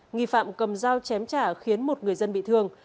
nghi phạm cầm dao chém trả khiến một người dân bị thương